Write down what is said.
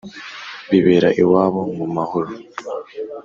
bibera iwabo mu mahoro.